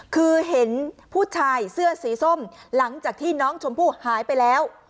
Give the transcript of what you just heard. คือเห็นผู้ชายเสื้อสีส้มหลังจากที่น้องชมพู่หายไปแล้ว